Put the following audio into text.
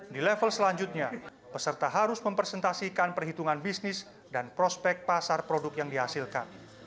di level selanjutnya peserta harus mempresentasikan perhitungan bisnis dan prospek pasar produk yang dihasilkan